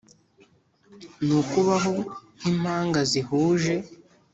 Ni ukubaho nk'impanga zihuje.